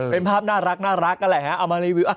เป็นภาพน่ารักเอามารีวิว